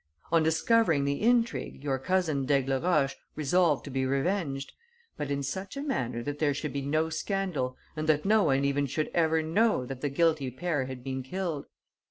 On discovering the intrigue, your cousin d'Aigleroche resolved to be revenged, but in such a manner that there should be no scandal and that no one even should ever know that the guilty pair had been killed.